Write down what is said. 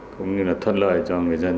cũng như thuận lợi cho người dân